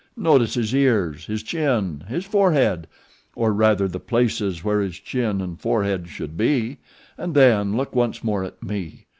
Notice his ears, his chin, his forehead, or rather the places where his chin and forehead should be, and then look once more at me.